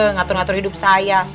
ngatur ngatur hidup saya